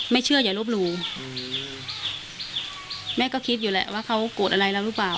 แม่เชื่ออย่ารบรูแม่ก็คิดอยู่แหละว่าเขากดอะไรแล้วหรือเปล่า